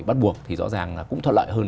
bắt buộc thì rõ ràng là cũng thuận lợi hơn